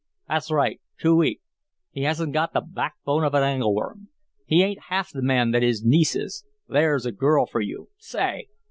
"That's right. Too weak. He hasn't got the backbone of an angleworm. He ain't half the man that his niece is. THERE'S a girl for you! Say!